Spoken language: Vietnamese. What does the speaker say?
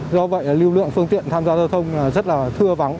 do vậy lưu lượng phương tiện tham gia giao thông rất là thưa vắng